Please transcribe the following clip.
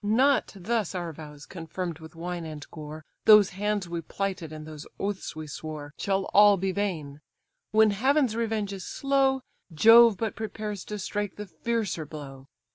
Not thus our vows, confirm'd with wine and gore, Those hands we plighted, and those oaths we swore, Shall all be vain: when Heaven's revenge is slow, Jove but prepares to strike the fiercer blow.